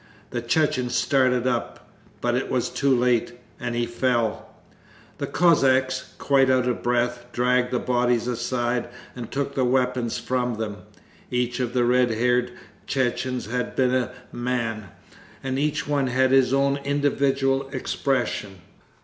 The Chechen started up, but it was too late, and he fell. The Cossacks, quite out of breath, dragged the bodies aside and took the weapons from them. Each of the red haired Chechens had been a man, and each one had his own individual expression.